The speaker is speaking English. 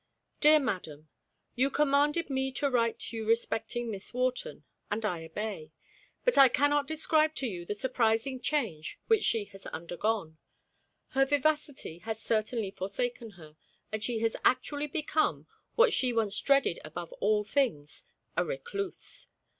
Dear madam: You commanded me to write you respecting Miss Wharton, and I obey. But I cannot describe to you the surprising change which she has undergone. Her vivacity has certainly forsaken her; and she has actually become, what she once dreaded above all things, a recluse.